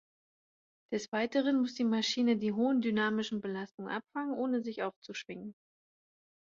Des Weiteren muss die Maschine die hohen dynamischen Belastungen abfangen, ohne sich aufzuschwingen.